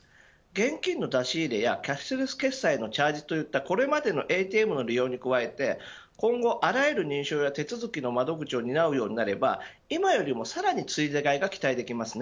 現金の出し入れやキャッシュレス決済へのチャージといったこれまでのＡＴＭの利用に加えて今後、あらゆる認証や手続きの窓口を担うようになれば今よりもさらについで買いが期待できます。